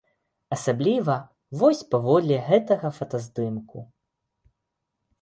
Асабліва вось паводле гэтага фатаздымку.